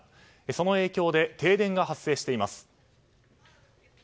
その影響で停電が発生しています。